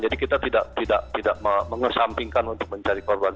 jadi kita tidak mengesampingkan untuk mencari korban